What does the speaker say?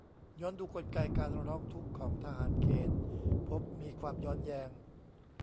ย้อนดูกลไกการร้องทุกข์ของทหารเกณฑ์ พบมีความย้อนแย้ง